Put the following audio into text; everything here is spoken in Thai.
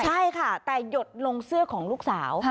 ใช่ค่ะแต่หยดลงเสื้อของลูกสาว